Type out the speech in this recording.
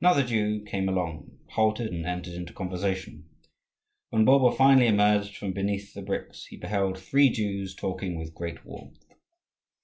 Another Jew came along, halted, and entered into conversation. When Bulba finally emerged from beneath the bricks, he beheld three Jews talking with great warmth.